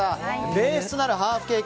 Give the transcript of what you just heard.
ベースとなるハーフケーキ